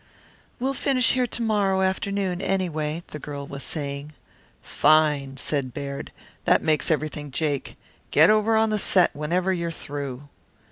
"We'll finish here to morrow afternoon, anyway," the girl was saying. "Fine," said Baird. "That makes everything jake. Get over on the set whenever you're through.